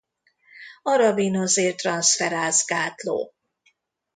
Arabinozil-transzferáz gátló.